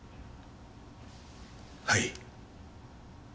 はい。